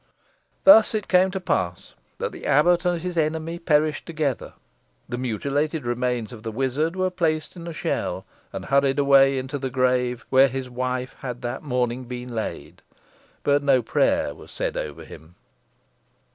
Thus it came to pass that the abbot and his enemy perished together. The mutilated remains of the wizard were placed in a shell, and huddled into the grave where his wife had that morning been laid. But no prayer was said over him.